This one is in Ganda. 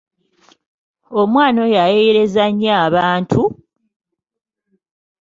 Omwana oyo ayeeyereza nnyo abantu!